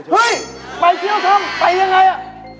เฮ้ยไปเที่ยวทำไปยังไงอ่ะ